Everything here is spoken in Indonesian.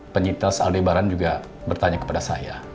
penyintas aldebaran juga bertanya kepada saya